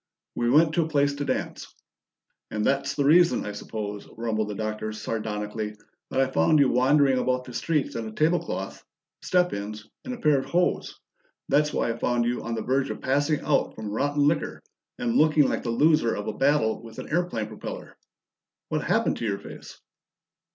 "We went to a place to dance." "And that's the reason, I suppose," rumbled the Doctor sardonically, "that I found you wandering about the streets in a table cloth, step ins, and a pair of hose! That's why I found you on the verge of passing out from rotten liquor, and looking like the loser of a battle with an airplane propellor! What happened to your face?"